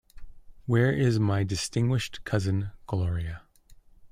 Where is my distinguished cousin Gloria?